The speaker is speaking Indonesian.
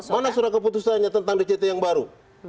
mana sudah keputusannya tentang dct yang baru